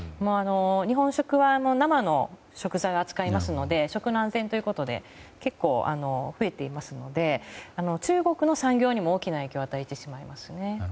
日本食は生の食材を扱いますので食の安全ということで結構増えていますので中国の産業にも大きな影響を与えてしまいますね。